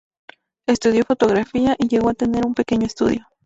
Estudió fotografía, y llegó a tener un pequeño estudio.